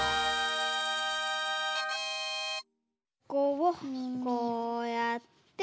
ここをこうやって。